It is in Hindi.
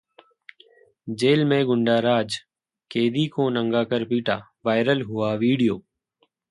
जेल में गुंडाराज: कैदी को नंगा कर पीटा, वायरल हुआ वीडियो